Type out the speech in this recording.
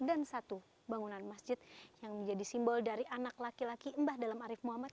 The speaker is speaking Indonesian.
dan satu bangunan masjid yang menjadi simbol dari anak laki laki mbah dalem arief muhammad